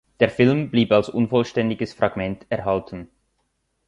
Der Film blieb als unvollständiges Fragment erhalten.